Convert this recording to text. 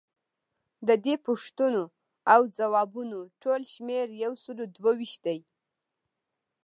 ددې پوښتنو او ځوابونو ټول شمیر یوسلو دوه ویشت دی.